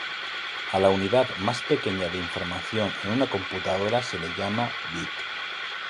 A la unidad más pequeña de información en una computadora se le llama bit.